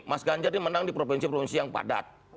mas ganjar ini menang di provinsi provinsi yang padat